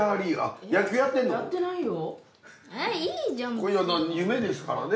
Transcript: これは夢ですからね